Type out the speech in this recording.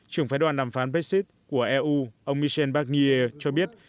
trưởng phái đoàn đàm phán brexit của eu ông michel barnier cho biết